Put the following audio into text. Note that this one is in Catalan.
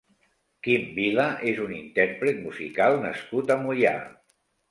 Quim Vila és un intérpret musical nascut a Moià.